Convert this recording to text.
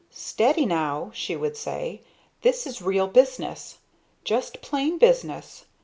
"Steady, now!" she would say. "This is real business, just plain business.